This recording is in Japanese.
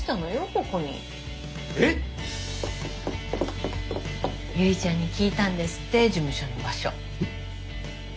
ここに。え！？結ちゃんに聞いたんですって事務所の場所。